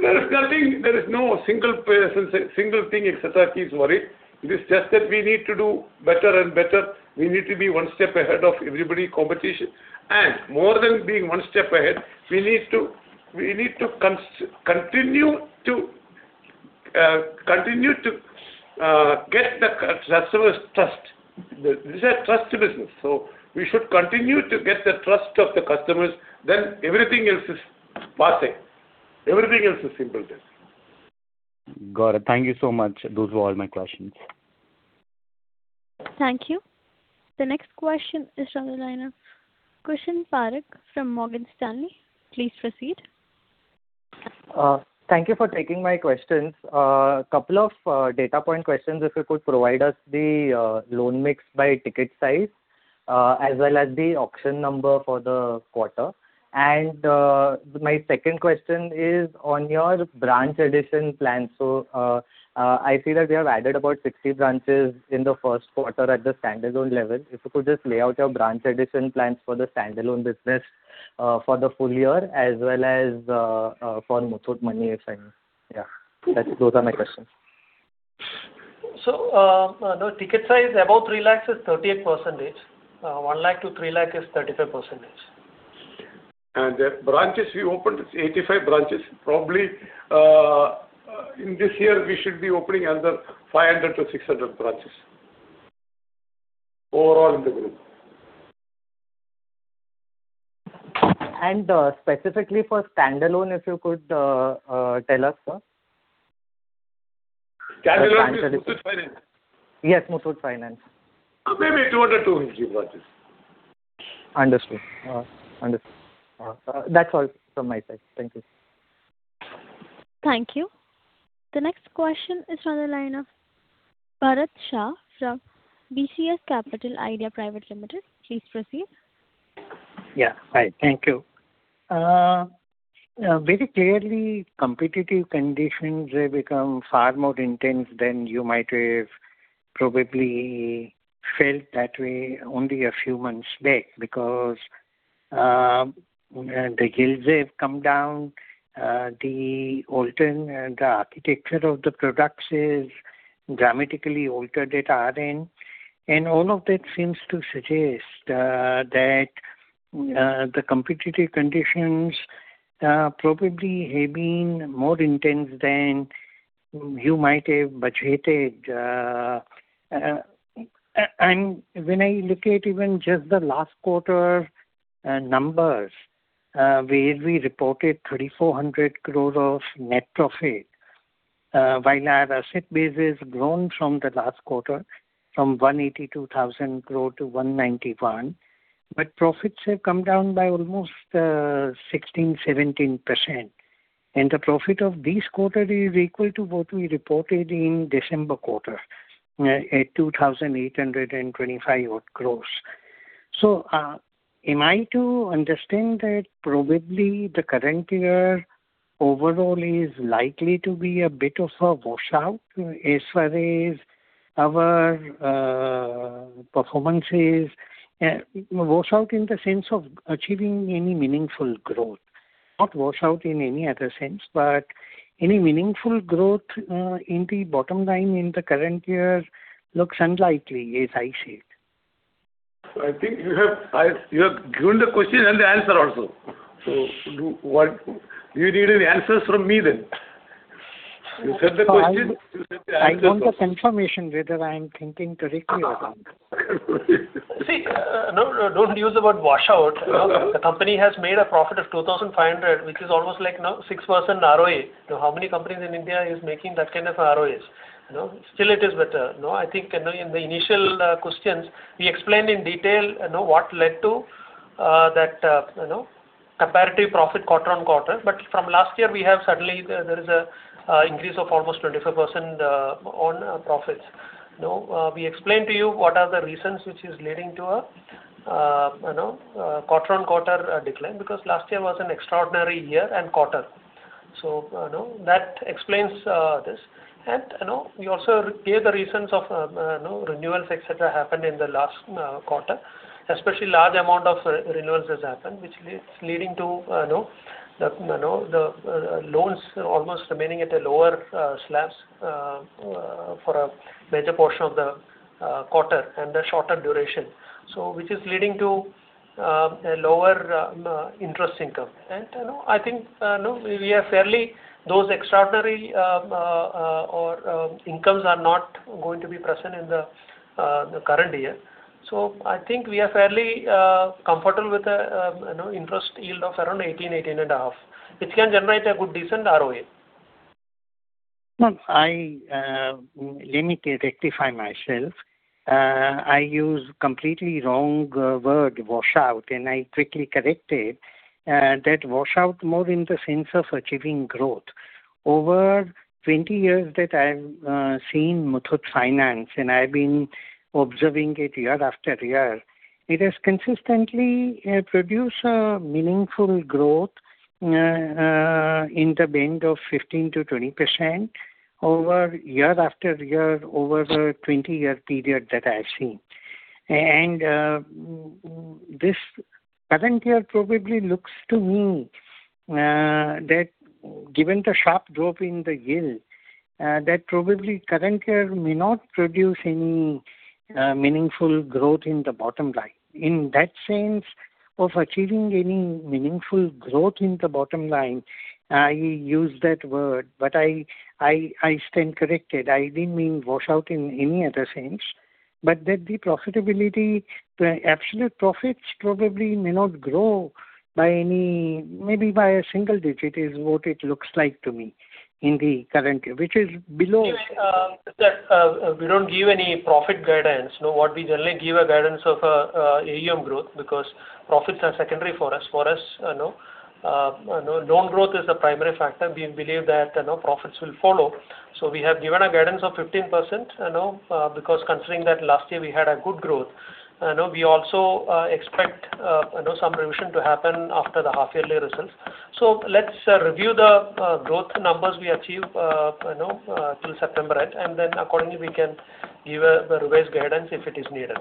There is nothing. There is no single thing et cetera keeps worry. It is just that we need to do better and better. We need to be one step ahead of everybody, competition. More than being one step ahead, we need to continue to get the customer's trust. This is a trust business, so we should continue to get the trust of the customers. Everything else is passing. Everything else is simple then. Got it. Thank you so much. Those were all my questions. Thank you. The next question is on the line of Kushan Parikh from Morgan Stanley. Please proceed. Thank you for taking my questions. A couple of data point questions, if you could provide us the loan mix by ticket size, as well as the auction number for the quarter. My second question is on your branch addition plan. I see that you have added about 60 branches in the first quarter at the standalone level. If you could just lay out your branch addition plans for the standalone business for the full year as well as for Muthoot Money if any. Yeah. Those are my questions. The ticket size above 3 lakh is 38% range. 1 lakh-3 lakh is 35% range. The branches we opened is 85 branches. Probably, in this year, we should be opening another 500-600 branches. Overall in the group. Specifically for standalone, if you could tell us? Standalone is Muthoot Finance. Yes, Muthoot Finance. Maybe 200-250 branches. Understood. That's all from my side. Thank you. Thank you. The next question is on the line of Bharat Shah from BCS Capital Idea Private Limited. Please proceed. Yeah. Hi, thank you. Very clearly, competitive conditions have become far more intense than you might have probably felt that way only a few months back, because the yields have come down, the architecture of the products is dramatically altered at our end, all of that seems to suggest that the competitive conditions probably have been more intense than you might have budgeted. When I look at even just the last quarter numbers, where we reported 3,400 crore of net profit While our asset base has grown from the last quarter from 182,000 crore to 191,000 crore, but profits have come down by almost 16%, 17%. The profit of this quarter is equal to what we reported in December quarter at 2,825 crore. Am I to understand that probably the current year overall is likely to be a bit of a washout as far as our performance is, a washout in the sense of achieving any meaningful growth, not washout in any other sense, but any meaningful growth in the bottom line in the current year looks unlikely as I see it. I think you have given the question and the answer also. You need an answer from me then? You said the question, you said the answer also. I want the confirmation whether I am thinking correctly or not. See, no, don't use the word washout. The company has made a profit of 2,500, which is almost like 6% ROE. How many companies in India is making that kind of ROEs? Still it is better. I think in the initial questions we explained in detail what led to that comparative profit quarter-on-quarter. From last year we have suddenly there is an increase of almost 25% on profits. We explained to you what are the reasons which is leading to a quarter-on-quarter decline, because last year was an extraordinary year and quarter. That explains this. We also gave the reasons of renewals, etc., happened in the last quarter, especially large amount of renewals has happened, which is leading to the loans almost remaining at a lower slabs for a major portion of the quarter and a shorter duration. Which is leading to a lower interest income. I think those extraordinary incomes are not going to be present in the current year. I think we are fairly comfortable with interest yield of around 18%, 18.5%, which can generate a good decent ROE. No, let me rectify myself. I used completely wrong word washout, I quickly corrected that washout more in the sense of achieving growth. Over 20 years that I have seen Muthoot Finance, I have been observing it year-after-year, it has consistently produced a meaningful growth in the band of 15%-20% over year-after-year over the 20-year period that I have seen. This current year probably looks to me that given the sharp drop in the yield, that probably current year may not produce any meaningful growth in the bottom line. In that sense of achieving any meaningful growth in the bottom line, I used that word, I stand corrected. I didn't mean washout in any other sense, that the profitability, the absolute profits probably may not grow, maybe by a single digit is what it looks like to me in the current year. Which is below- Anyway, sir, we don't give any profit guidance. What we generally give a guidance of AUM growth because profits are secondary for us. For us, loan growth is the primary factor. We believe that profits will follow. We have given a guidance of 15%, because considering that last year we had a good growth. We also expect some revision to happen after the half yearly results. Let's review the growth numbers we achieve till September end, and then accordingly we can give a revised guidance if it is needed.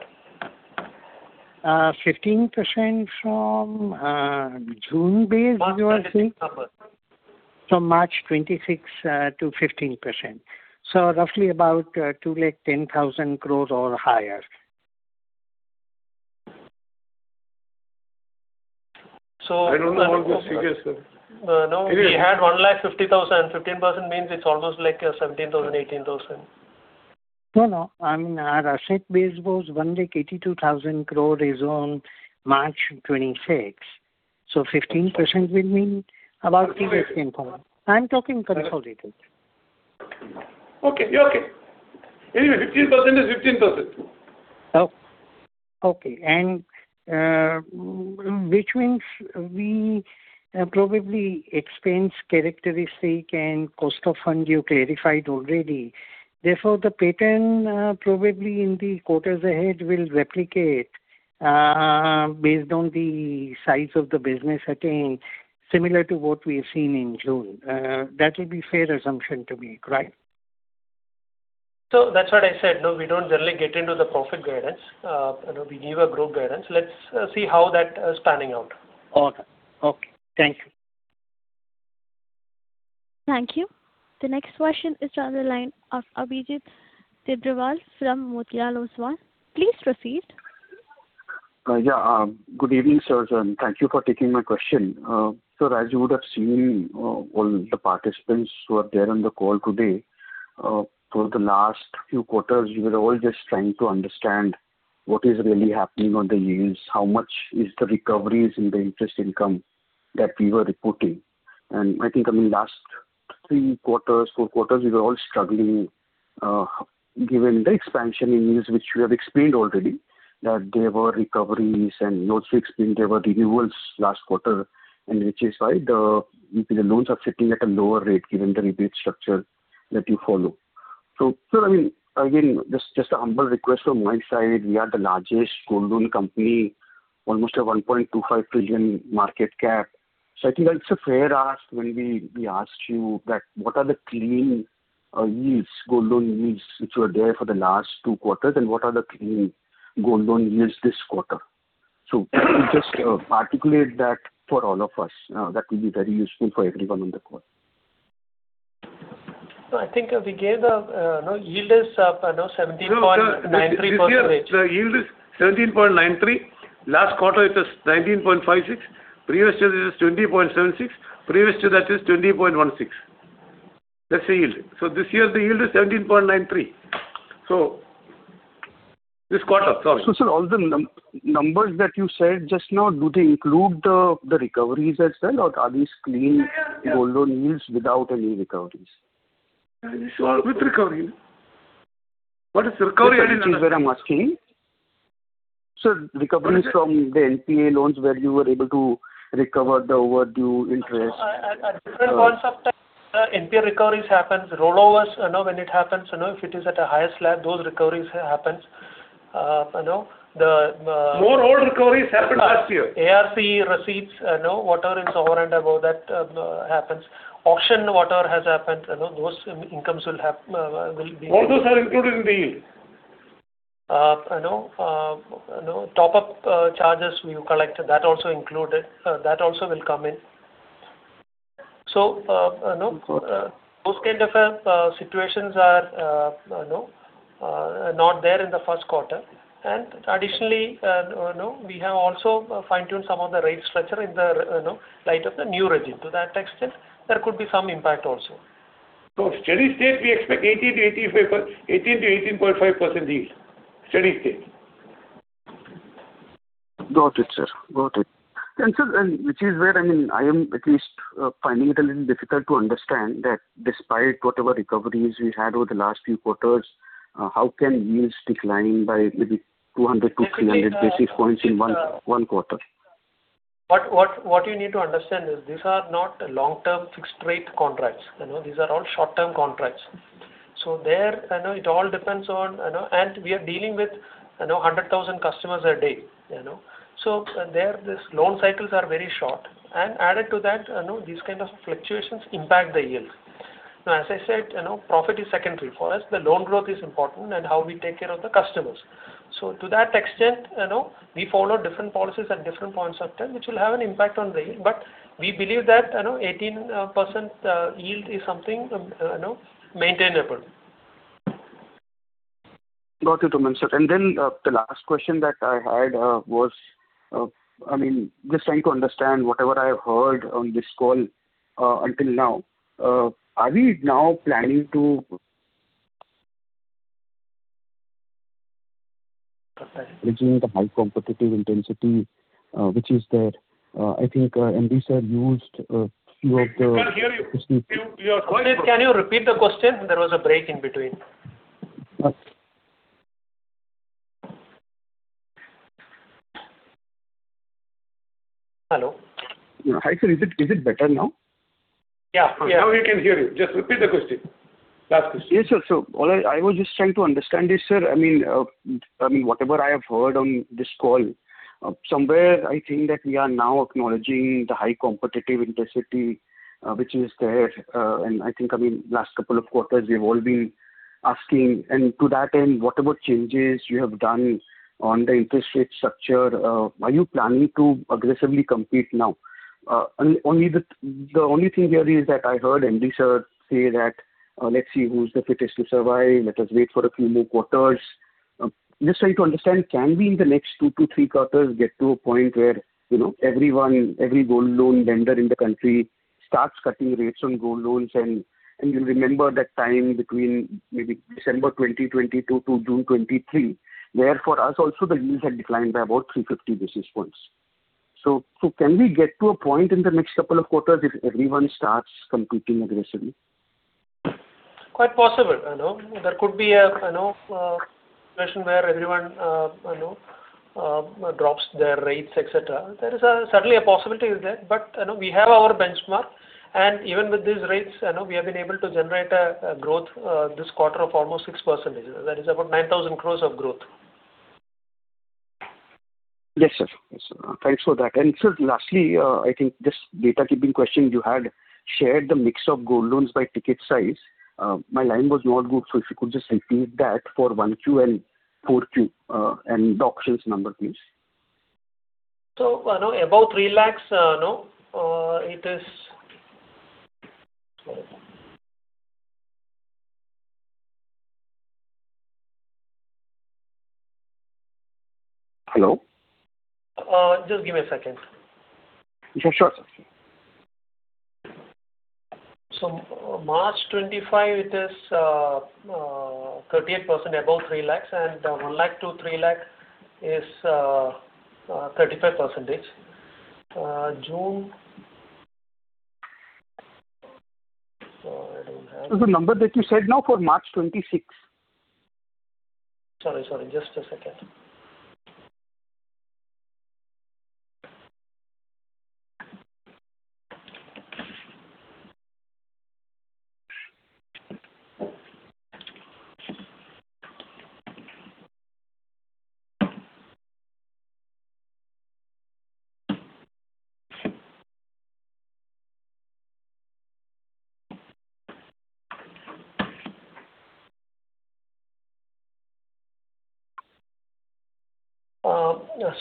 15% from June base, you are saying? March 30. From March 26 to 15%. Roughly about 210,000 crores or higher. So- I don't know about those figures, sir. We had 150,000. 15% means it's almost like 17,000, 18,000. No, no. I mean, our asset base was 182,000 crore as on March 26. 15% will mean about 210,000. I'm talking consolidated. Okay. Anyway, 15% is 15%. Oh. Okay. Which means we probably expense characteristic and cost of fund you clarified already. Therefore, the pattern probably in the quarters ahead will replicate based on the size of the business I think similar to what we have seen in June. That will be fair assumption to make, right? That's what I said. We don't really get into the profit guidance. We give a growth guidance. Let's see how that is panning out. All right. Okay. Thank you. Thank you. The next question is on the line of Abhijit Tibrewal from Motilal Oswal. Please proceed. Yeah. Good evening, sirs. Thank you for taking my question. Sir, as you would have seen all the participants who are there on the call today, for the last few quarters, we were all just trying to understand what is really happening on the yields, how much is the recoveries in the interest income. That we were reporting. I think, last three quarters, four quarters, we were all struggling given the expansion in yields, which we have explained already. That there were recoveries and also explained there were renewals last quarter, and which is why the loans are sitting at a lower rate given the rebate structure that you follow. Sir, again, just a humble request from my side. We are the largest gold loan company, almost a 1.25 trillion market cap. I think that it's a fair ask when we asked you that what are the clean yields, gold loan yields which were there for the last two quarters, and what are the clean gold loan yields this quarter. If you could just articulate that for all of us, that will be very useful for everyone on the call. I think we gave the yield is up, 17.93%. This year, the yield is 17.93%. Last quarter, it was 19.56%. Previous to this is 20.76%. Previous to that is 20.16%. That's the yield. This year, the yield is 17.93%. This quarter. Sorry. Sir, all the numbers that you said just now, do they include the recoveries as well, or are these clean gold loan yields without any recoveries? It's all with recovery. What is recovery? Which is where I'm asking. Sir, recoveries from the NPA loans where you were able to recover the overdue interest. A different concept. NPA recoveries happens, rollovers when it happens. If it is at a higher slab, those recoveries happens. More old recoveries happened last year. ARC receipts, whatever is over and above that happens. Auction, whatever has happened, those incomes will be. All those are included in the yield. Top-up charges we collect, that also included. That also will come in. Okay. Those kind of situations are not there in the first quarter. Additionally, we have also fine-tuned some of the rate structure in the light of the new regime. To that extent, there could be some impact also. Steady state, we expect 18%-18.5% yield. Steady state. Got it, sir. Which is where I am at least finding it a little difficult to understand that despite whatever recoveries we had over the last few quarters, how can yields decline by maybe 200-300 basis points in one quarter? What you need to understand is these are not long-term fixed rate contracts. These are all short-term contracts. There, we are dealing with 100,000 customers a day. There, these loan cycles are very short. Added to that, these kind of fluctuations impact the yield. As I said, profit is secondary. For us, the loan growth is important and how we take care of the customers. To that extent, we follow different policies at different points of time, which will have an impact on the yield. We believe that 18% yield is something maintainable. Got you. Thank you, sir. The last question that I had was, just trying to understand whatever I have heard on this call until now. Are we now planning to reaching the high competitive intensity which is there. I think MD sir used few of the- We can't hear you. Your voice is- Can you repeat the question? There was a break in between. Hello? Hi, sir. Is it better now? Yeah. Now we can hear you. Just repeat the question. Last question. Yes, sir. All I was just trying to understand is, sir, whatever I have heard on this call, somewhere I think that we are now acknowledging the high competitive intensity which is there. I think, last couple of quarters, we've all been asking. To that end, what about changes you have done on the interest rate structure? Are you planning to aggressively compete now? The only thing here is that I heard MD sir say that, "Let's see who's the fittest to survive. Let us wait for a few more quarters." Just trying to understand, can we in the next two to three quarters get to a point where everyone, every gold loan lender in the country starts cutting rates on gold loans and you remember that time between maybe December 2022 to June 2023, where for us also the yields had declined by about 350 basis points. Can we get to a point in the next couple of quarters if everyone starts competing aggressively? Quite possible. There could be a situation where everyone drops their rates, et cetera. There is certainly a possibility is there, but we have our benchmark. Even with these rates, we have been able to generate a growth this quarter of almost 6%. That is about 9,000 crores of growth. Yes, sir. Thanks for that. Sir, lastly, I think this data keeping question you had shared the mix of gold loans by ticket size. My line was not good, if you could just repeat that for 1Q and 4Q, and the auctions number, please. Above INR 3 lakhs, it is- Hello? Just give me a second. Sure, sir. March 25, it is 38% above 3 lakhs, and 1 lakh to 3 lakhs is 35%. June Sorry, I don't have. The number that you said now for March 26. Sorry. Just a second.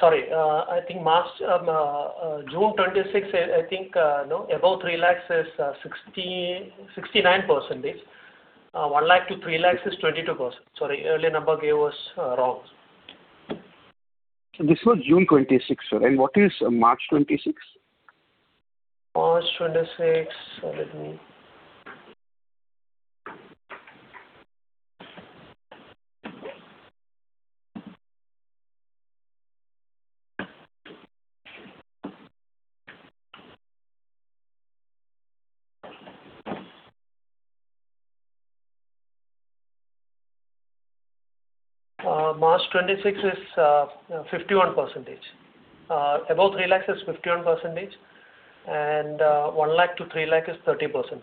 Sorry. I think June 26, I think above 3 lakhs is 69%. 1 lakh to 3 lakhs is 22%. Sorry, earlier number I gave was wrong. This was June 26. What is March 26? March 26. March 26 is 51%. Above 3 lakhs is 51%, and 1 lakh to 3 lakhs is 30%.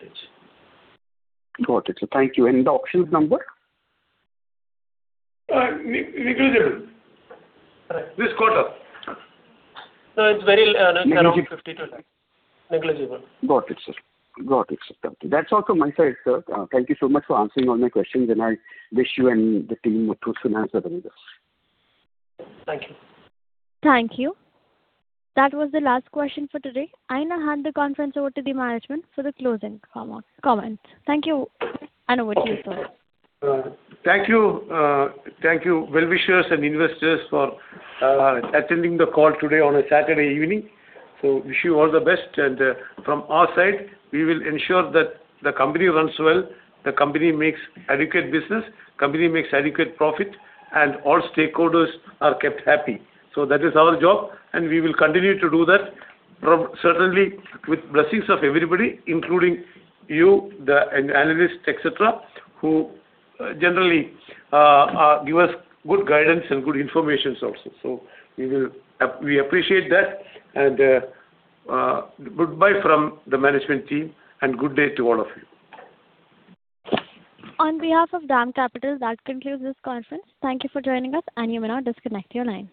Got it, sir. Thank you. The auctions number? Negligible. This quarter. No, it's very around 50-20. Negligible. Got it, sir. That's all from my side, sir. Thank you so much for answering all my questions, and I wish you and the team Muthoot Finance all the best. Thank you. Thank you. That was the last question for today. I now hand the conference over to the management for the closing comments. Thank you. Over to you, sir. Thank you. Thank you, well-wishers and investors for attending the call today on a Saturday evening. Wish you all the best, and from our side, we will ensure that the company runs well, the company makes adequate business, company makes adequate profit, and all stakeholders are kept happy. That is our job, and we will continue to do that certainly with blessings of everybody, including you, the analysts, et cetera, who generally give us good guidance and good information also. We appreciate that, and goodbye from the management team and good day to all of you. On behalf of DAM Capital, that concludes this conference. Thank you for joining us. You may now disconnect your lines.